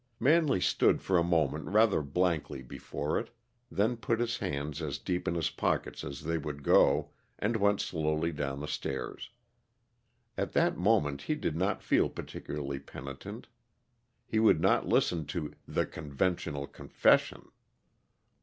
Manley stood for a moment rather blankly before it, then put his hands as deep in his pockets as they would go, and went slowly down the stairs. At that moment he did not feel particularly penitent. She would not listen to "the conventional confession!"